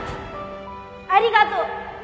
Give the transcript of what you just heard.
ありがとう」